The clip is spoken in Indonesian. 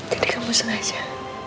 jadi kamu sengaja